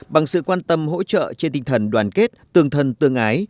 bằng sự quan tâm hỗ trợ trên tinh thần đoàn kết tương thân tương ái